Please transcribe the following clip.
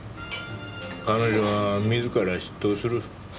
彼女は自ら出頭する。